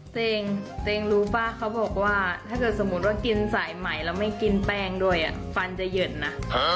เซ็งรู้ป่ะเขาบอกว่าถ้าเกิดสมมุติว่ากินสายใหม่แล้วไม่กินแป้งด้วยฟันจะเย็นนะ